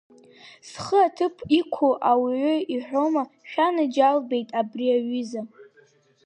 Зхы аҭыԥ иқәу ауаҩы иҳәома, шәанаџьалбеит, абри аҩыза…